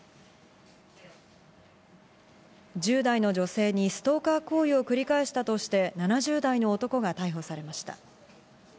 １０代の女性にストーカー行為を繰り返したとして７０代の男が逮捕されました。